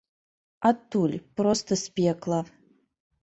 Адтуль, проста з пекла.